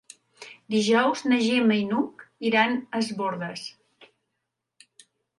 Dijous na Gemma i n'Hug iran a Es Bòrdes.